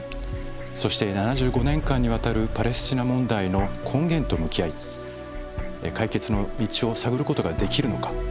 そして７５年間にわたるパレスチナ問題の根源と向き合い解決の道を探ることができるのか。